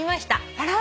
あら！